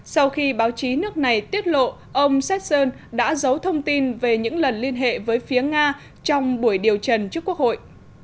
sau khi báo chí nước này tiết lộ ông sasson đã giấu thông tin về những lần liên hệ với phía nga trong buổi điều trần trước quốc hội